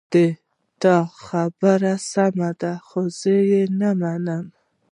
د تا خبره سمه ده خو زه یې نه منم